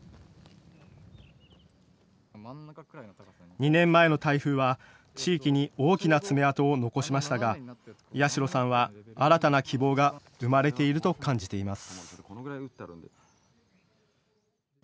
２年前の台風は地域に大きな爪痕を残しましたが八代さんは新たな希望が生まれていると感じています。